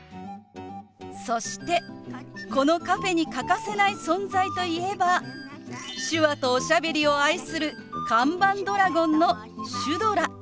そしてこのカフェに欠かせない存在といえば手話とおしゃべりを愛する看板ドラゴンのシュドラ。